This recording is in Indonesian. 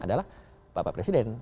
adalah bapak presiden